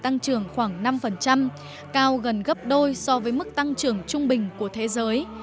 tăng trưởng khoảng năm cao gần gấp đôi so với mức tăng trưởng trung bình của thế giới